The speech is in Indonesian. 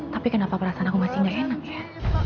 tapi kenapa perasaan aku masih gak enak ya